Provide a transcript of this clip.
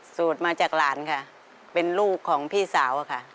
สูตรมาจากหลานค่ะเป็นลูกของพี่สาวอะค่ะ